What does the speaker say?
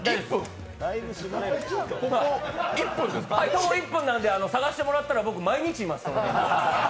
徒歩１分なんで探してもらったら僕、毎日います。